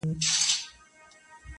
دا د نور په تلاوت بې هوښه سوی دی_